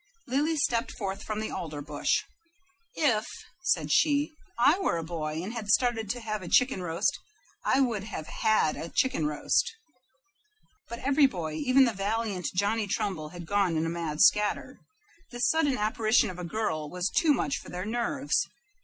Lily stepped forth from the alder bush. "If," said she, "I were a boy, and had started to have a chicken roast, I would have HAD a chicken roast." But every boy, even the valiant Johnny Trumbull, was gone in a mad scutter. This sudden apparition of a girl was too much for their nerves.